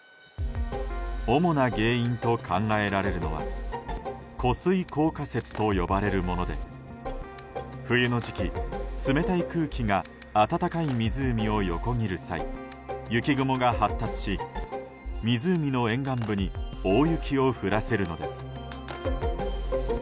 主な原因と考えられるのは湖水効果雪と呼ばれるもので冬の時期、冷たい空気が暖かい湖を横切る際雪雲が発達し、湖の沿岸部に大雪を降らせるのです。